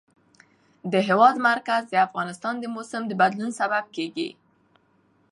د هېواد مرکز د افغانستان د موسم د بدلون سبب کېږي.